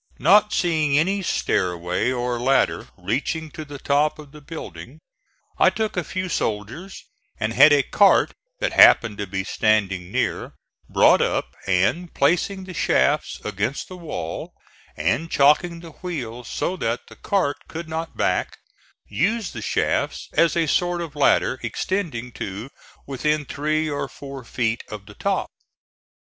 Not seeing any stairway or ladder reaching to the top of the building, I took a few soldiers, and had a cart that happened to be standing near brought up, and, placing the shafts against the wall and chocking the wheels so that the cart could not back, used the shafts as a sort of ladder extending to within three or four feet of the top.